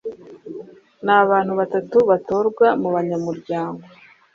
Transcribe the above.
n abantu batatu batorwa mu banyamuryango